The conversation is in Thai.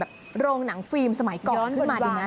โรงหนังฟิล์มสมัยก่อนขึ้นมาดีไหม